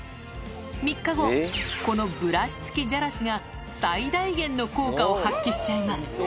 ３日後、このブラシ付きじゃらしが最大限の効果を発揮しちゃいます。